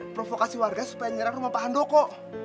provokasi warga supaya nyerang rumah paham handoko